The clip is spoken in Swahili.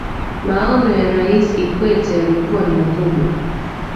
maono ya raisi kikwete yalikuwa ni makubwa